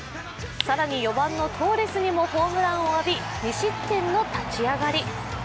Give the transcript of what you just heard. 更に、４番のトーレスにもホームランを浴び２失点の立ち上がり。